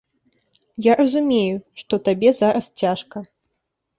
Я разумею, што табе зараз цяжка.